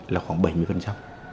là khoảng bảy mươi